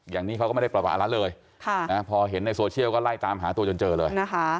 อย่างนี้เขาก็ไม่ได้ประวัติแล้วเลยพอเห็นในโซเชียลก็ไล่ตามหาตัวจนเจอเลย